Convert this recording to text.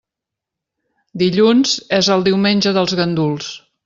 Dilluns és el diumenge dels ganduls.